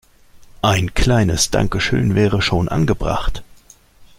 Ein kleines Dankeschön wäre schon angebracht.